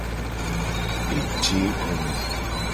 Eje egome.